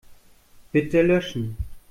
Bitte löschen.